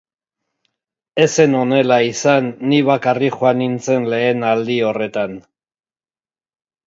Ez zen honela izan ni bakarrik joan nintzen lehen aldi horretan.